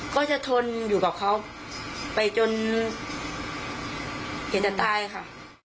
ก็จะทนอยู่กับเขาไปจนอยากจะตายค่ะ